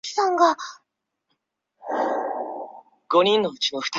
董事长李国杰被王伯群任命为监督办公处总办。